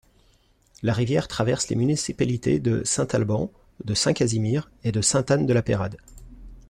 La rivière traverse les municipalités de Saint-Alban, de Saint-Casimir et de Sainte-Anne-de-la-Pérade.